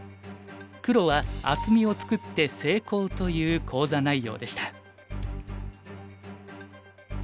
黒は厚みを作って成功という講座内容でした。